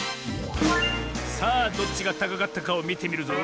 さあどっちがたかかったかをみてみるぞ。